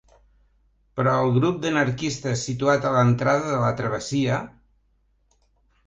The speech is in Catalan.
Però el grup d'anarquistes situat a l'entrada de la travessia...